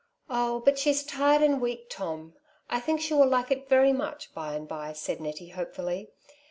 '' Oh, but she's tired and weak, Tom. I think she will like it very much by and by," said Nettie hopefully.